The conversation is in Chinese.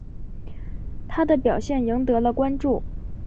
他的表现赢得了关注。